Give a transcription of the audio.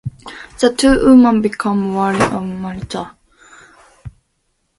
The two women become wary of Maritza.